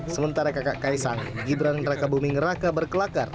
sementara kakak kaisang gibran raka buming raka berkelakar